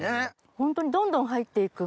ホントにどんどん入って行く。